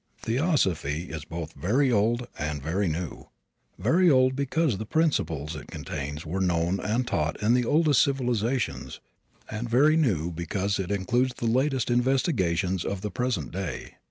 Theosophy is both very old and very new very old because the principles it contains were known and taught in the oldest civilizations, and very new because it includes the latest investigations of the present day.